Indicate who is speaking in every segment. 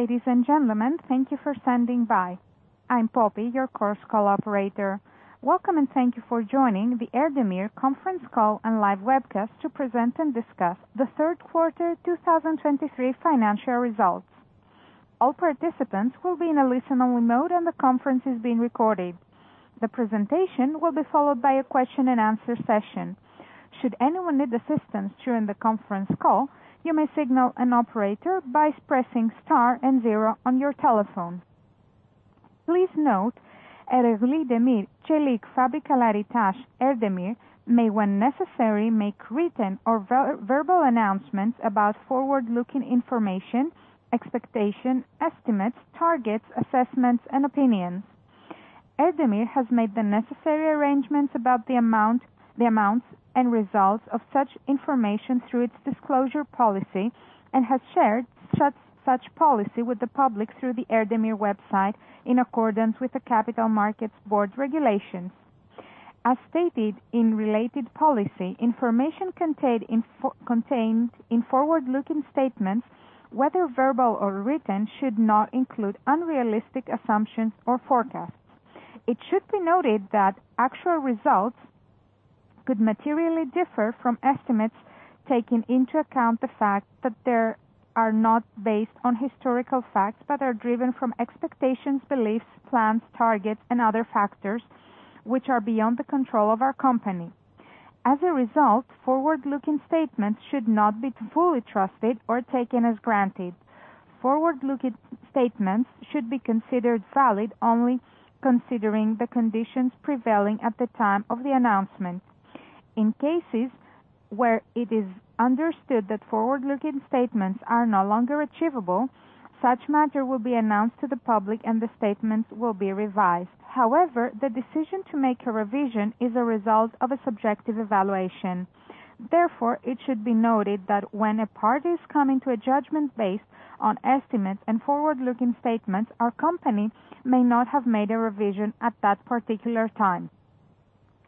Speaker 1: Ladies and gentlemen, thank you for standing by. I'm Poppy, your Chorus Call operator. Welcome and thank you for joining the Erdemir conference call and live webcast to present and discuss the third quarter 2023 financial results. All participants will be in a listen-only mode, and the conference is being recorded. The presentation will be followed by a question and answer session. Should anyone need assistance during the conference call, you may signal an operator by pressing star and zero on your telephone. Please note, Ereğli Demir ve Çelik Fabrikaları T.A.Ş. Erdemir may, when necessary, make written or verbal announcements about forward-looking information, expectations, estimates, targets, assessments, and opinions. Erdemir has made the necessary arrangements about the amount, the amounts and results of such information through its disclosure policy and has shared such policy with the public through the Erdemir website, in accordance with the Capital Markets Board regulations. As stated in related policy, information contained in forward-looking statements, whether verbal or written, should not include unrealistic assumptions or forecasts. It should be noted that actual results could materially differ from estimates taken into account the fact that they are not based on historical facts, but are driven from expectations, beliefs, plans, targets, and other factors which are beyond the control of our company. As a result, forward-looking statements should not be fully trusted or taken as granted. Forward-looking statements should be considered valid only considering the conditions prevailing at the time of the announcement. In cases where it is understood that forward-looking statements are no longer achievable, such matter will be announced to the public, and the statements will be revised. However, the decision to make a revision is a result of a subjective evaluation. Therefore, it should be noted that when a party is coming to a judgment based on estimates and forward-looking statements, our company may not have made a revision at that particular time.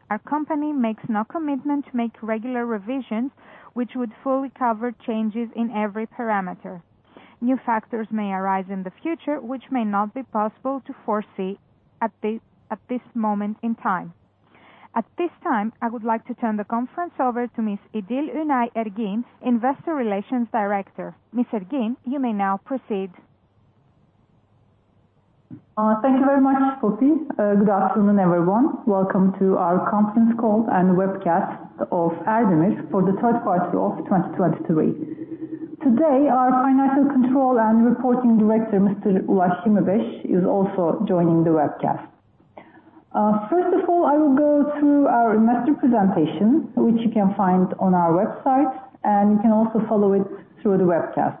Speaker 1: Our company makes no commitment to make regular revisions, which would fully cover changes in every parameter. New factors may arise in the future, which may not be possible to foresee at this moment in time. At this time, I would like to turn the conference over to Ms. Idil Onay Ergin, Investor Relations Director. Ms. Ergin, you may now proceed.
Speaker 2: Thank you very much, Poppy. Good afternoon, everyone. Welcome to our conference call and webcast of Erdemir for the third quarter of 2023. Today, our financial control and reporting director, Mr. Ulaş Yirmibeş, is also joining the webcast. First of all, I will go through our investor presentation, which you can find on our website, and you can also follow it through the webcast.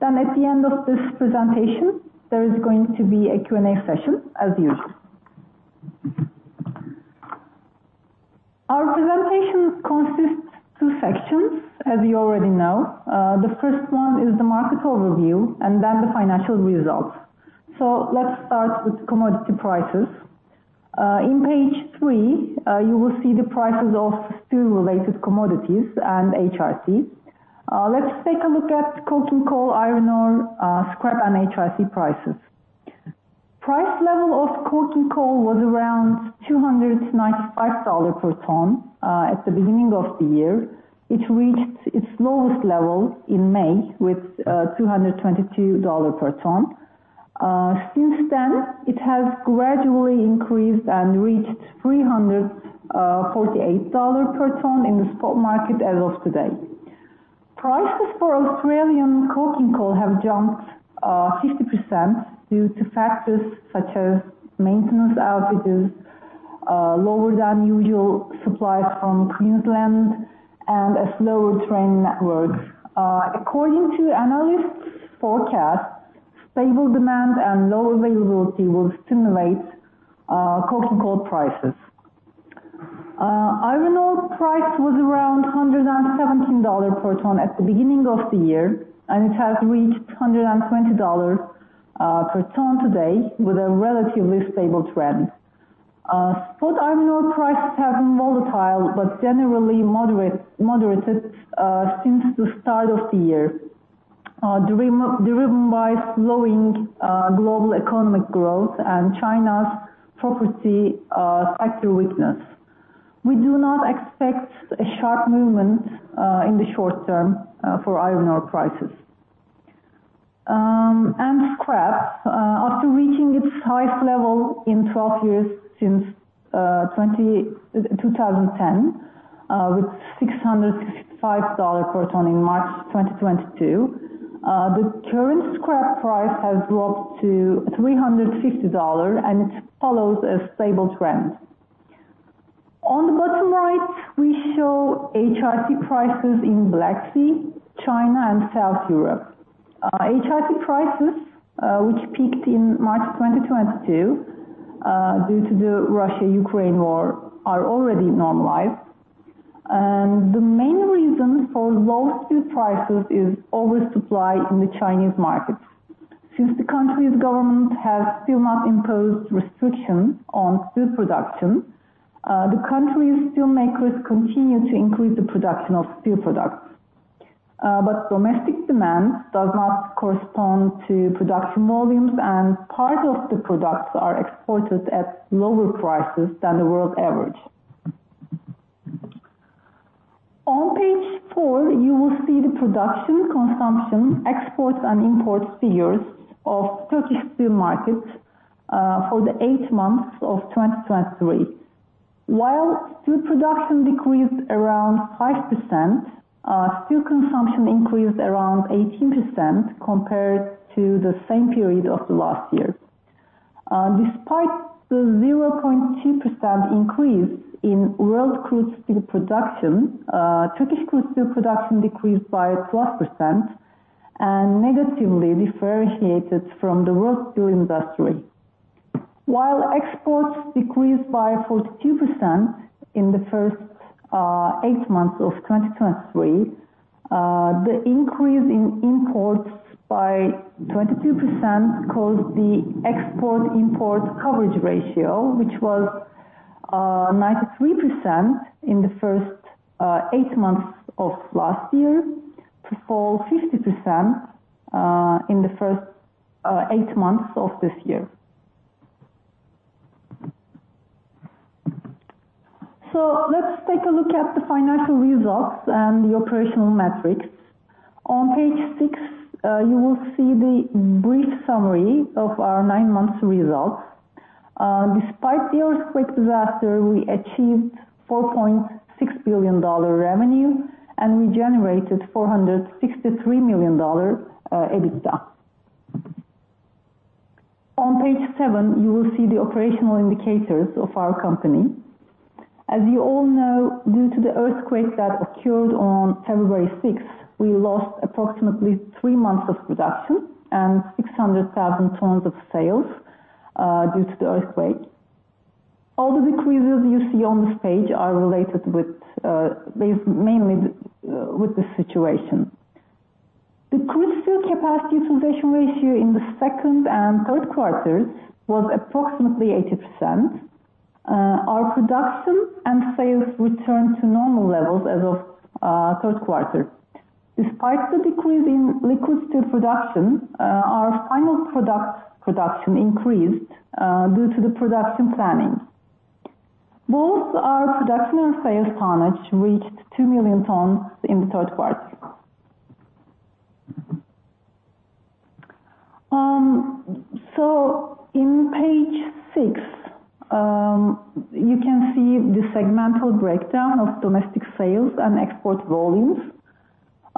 Speaker 2: Then at the end of this presentation, there is going to be a Q&A session, as usual. Our presentation consists two sections, as you already know. The first one is the market overview and then the financial results. So let's start with commodity prices. In page 3, you will see the prices of steel-related commodities and HRC. Let's take a look at coking coal, iron ore, scrap and HRC prices. Price level of coking coal was around $295 per ton at the beginning of the year. It reached its lowest level in May with $222 per ton. Since then, it has gradually increased and reached $348 per ton in the spot market as of today. Prices for Australian coking coal have jumped 50% due to factors such as maintenance outages, lower than usual supply from Queensland, and a slower train network. According to analysts' forecast, stable demand and low availability will stimulate coking coal prices. Iron ore price was around $117 per ton at the beginning of the year, and it has reached $120 per ton today, with a relatively stable trend. Spot iron ore prices have been volatile, but generally moderated since the start of the year, driven by slowing global economic growth and China's property sector weakness. We do not expect a sharp movement in the short term for iron ore prices. And scrap, after reaching its highest level in 12 years, since 2010, with $665 per ton in March 2022, the current scrap price has dropped to $350, and it follows a stable trend. On the bottom right, we show HRC prices in Black Sea, China, and South Europe. HRC prices, which peaked in March 2022 due to the Russia-Ukraine war, are already normalized, and the main reason for low steel prices is oversupply in the Chinese market. Since the country's government has still not imposed restrictions on steel production, the country's steelmakers continue to increase the production of steel products. But domestic demand does not correspond to production volumes, and part of the products are exported at lower prices than the world average. On page four, you will see the production, consumption, export, and import figures of Turkish steel markets for the eight months of 2023. While steel production decreased around 5%, steel consumption increased around 18% compared to the same period of the last year. Despite the 0.2% increase in world crude steel production, Turkish crude steel production decreased by 12% and negatively differentiated from the world steel industry. While exports decreased by 42% in the first 8 months of 2023, the increase in imports by 22% caused the export-import coverage ratio, which was 93% in the first 8 months of last year, to fall 50% in the first 8 months of this year. So let's take a look at the financial results and the operational metrics. On page 6, you will see the brief summary of our 9 months results. Despite the earthquake disaster, we achieved $4.6 billion revenue, and we generated $463 million EBITDA. On page 7, you will see the operational indicators of our company. As you all know, due to the earthquake that occurred on February 6th, we lost approximately 3 months of production and 600,000 tons of sales, due to the earthquake. All the decreases you see on this page are related with, mainly with the situation. The crude steel capacity utilization ratio in the second and third quarters was approximately 80%. Our production and sales returned to normal levels as of third quarter. Despite the decrease in liquid steel production, our final product production increased, due to the production planning. Both our production and sales tonnage reached 2,000,000 tons in the third quarter. So in page six, you can see the segmental breakdown of domestic sales and export volumes.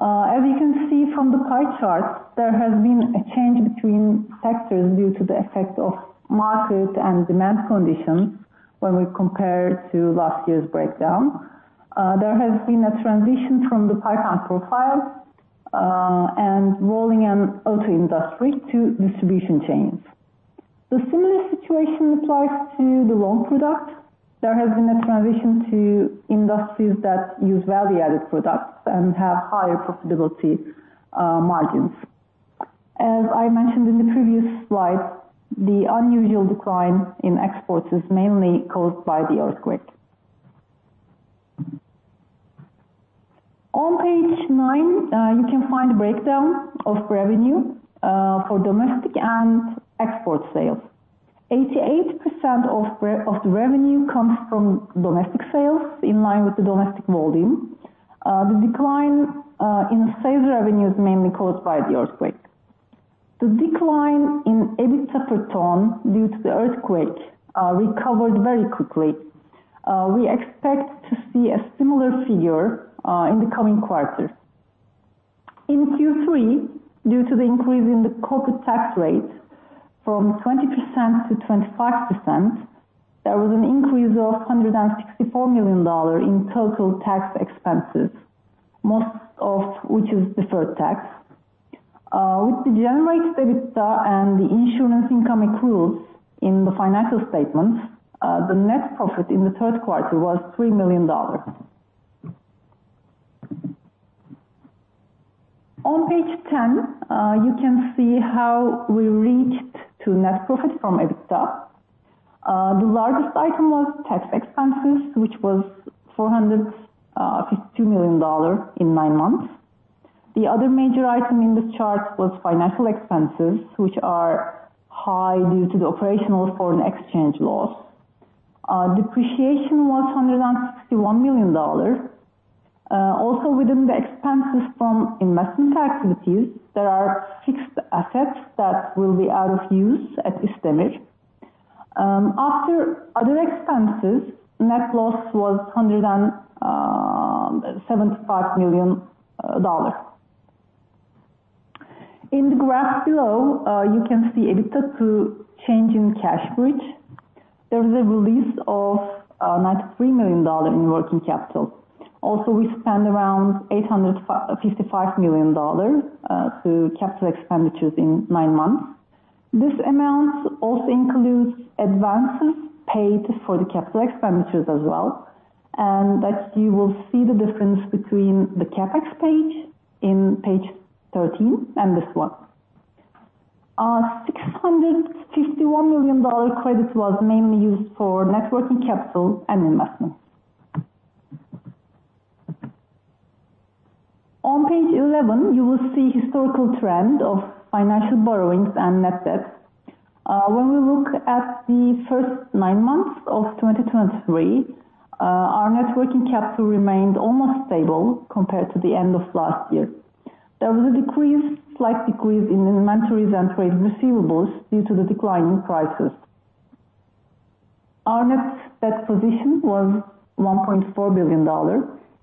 Speaker 2: As you can see from the pie chart, there has been a change between sectors due to the effect of market and demand conditions when we compare to last year's breakdown. There has been a transition from the pipe and profile, and rolling and auto industry to distribution chains. The similar situation applies to the long product. There has been a transition to industries that use value-added products and have higher profitability, margins. As I mentioned in the previous slide, the unusual decline in exports is mainly caused by the earthquake. On page nine, you can find a breakdown of revenue, for domestic and export sales. 88% of the revenue comes from domestic sales in line with the domestic volume. The decline in sales revenue is mainly caused by the earthquake. The decline in EBITDA per ton due to the earthquake recovered very quickly. We expect to see a similar figure in the coming quarters. In Q3, due to the increase in the corporate tax rate from 20% to 25%, there was an increase of $164 million in total tax expenses, most of which is deferred tax. With the generated EBITDA and the insurance income accruals in the financial statements, the net profit in the third quarter was $3 million. On page 10, you can see how we reached to net profit from EBITDA. The largest item was tax expenses, which was $452 million in nine months. The other major item in this chart was financial expenses, which are high due to the operational foreign exchange loss. Depreciation was $161 million. Also within the expenses from investment activities, there are fixed assets that will be out of use at İsdemir. After other expenses, net loss was $175 million. In the graph below, you can see EBITDA to change in cash bridge. There is a release of $93 million in working capital. Also, we spent around $855 million to capital expenditures in nine months. This amount also includes advances paid for the capital expenditures as well, and that you will see the difference between the CapEx page in page 13 and this one. $651 million credit was mainly used for net working capital and investments. On page 11, you will see historical trend of financial borrowings and net debt. When we look at the first nine months of 2023, our net working capital remained almost stable compared to the end of last year. There was a decrease, slight decrease in inventories and trade receivables due to the decline in prices. Our net debt position was $1.4 billion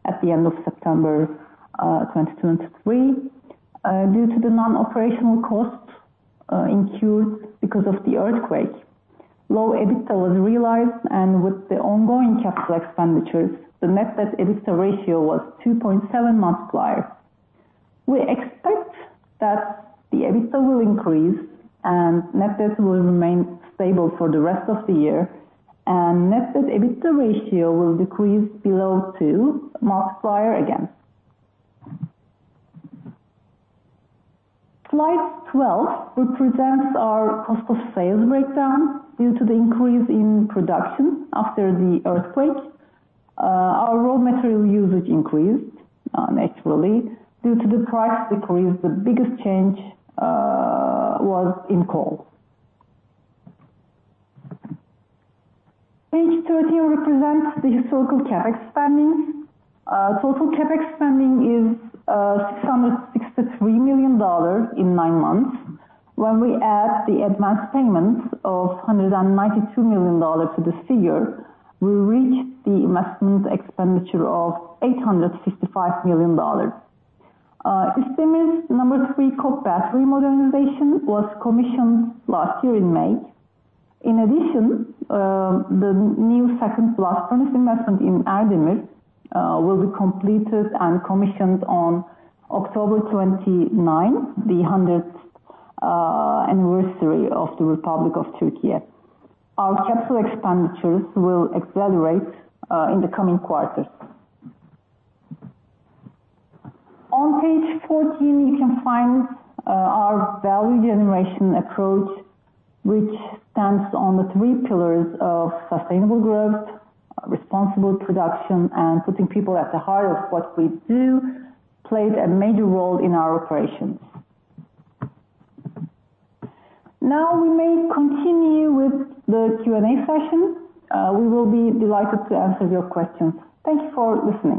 Speaker 2: at the end of September 2023. Due to the non-operational costs incurred because of the earthquake, low EBITDA was realized, and with the ongoing capital expenditures, the net debt EBITDA ratio was 2.7x. We expect that the EBITDA will increase and net debt will remain stable for the rest of the year, and net debt EBITDA ratio will decrease below 2x again. Slide 12 represents our cost of sales breakdown due to the increase in production after the earthquake. Our raw material usage increased, naturally, due to the price decrease. The biggest change was in coal. Page 13 represents the historical CapEx spending. Total CapEx spending is $663 million in nine months. When we add the advanced payments of $192 million to this figure, we reach the investment expenditure of $855 million. İsdemir's number three coke battery modernization was commissioned last year in May. In addition, the new second blast furnace investment in Erdemir will be completed and commissioned on October 29, the 100th anniversary of the Republic of Turkey. Our capital expenditures will accelerate in the coming quarters. On page 14, you can find our value generation approach, which stands on the three pillars of sustainable growth, responsible production, and putting people at the heart of what we do, played a major role in our operations. Now we may continue with the Q&A session. We will be delighted to answer your questions. Thank you for listening.